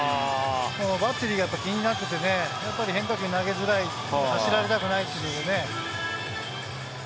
バッテリーが気になっててね、変化球を投げづらい、走られたくない。